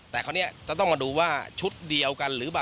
แต่คราวนี้จะต้องมาดูว่าชุดเดียวกันหรือเปล่า